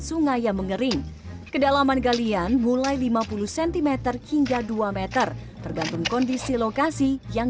sungai yang mengering kedalaman galian mulai lima puluh cm hingga dua m tergantung kondisi lokasi yang